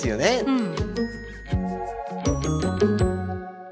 うん。